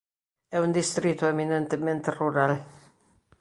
É un distrito eminentemente rural.